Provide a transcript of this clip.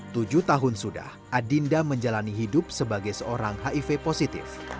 tujuh tahun sudah adinda menjalani hidup sebagai seorang hiv positif